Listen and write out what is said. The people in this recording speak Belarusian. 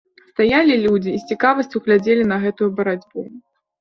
Стаялі людзі і з цікавасцю глядзелі на гэтую барацьбу.